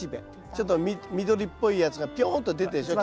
ちょっと緑っぽいやつがぴょんと出てるでしょ